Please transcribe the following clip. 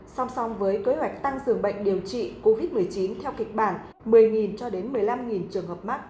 song song với kế hoạch tăng dường bệnh điều trị covid một mươi chín theo kịch bản một mươi cho đến một mươi năm trường hợp mắc